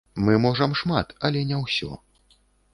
Мы можам шмат, але не ўсё.